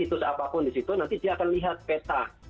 itu siapapun di situ nanti dia akan lihat peta